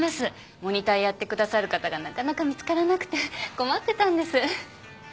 モニターやってくださる方がなかなか見つからなくて困ってたんです。